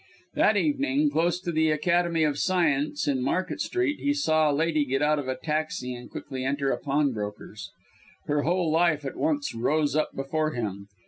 That evening, close to the Academy of Science in Market Street, he saw a lady get out of a taxi and quickly enter a pawnbroker's. Her whole life at once rose up before him.